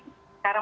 entah dari daerah